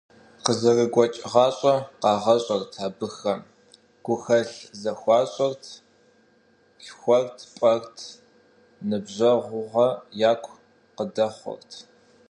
Къызэрыгуэкӏ гъащӏэ къагъэщӏырт абыхэм: гухэлъ зэхуащӏырт, лъхуэрт-пӏэрт, ныбжьэгъугъэ яку къыдэхъуэрт.